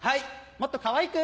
もっとかわいく！